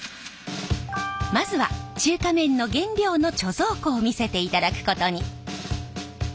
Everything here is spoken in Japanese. まずは中華麺の原料の貯蔵庫を見せていただくことに。